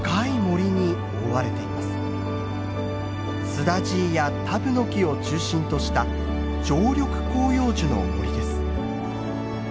スダジイやタブノキを中心とした常緑広葉樹の森です。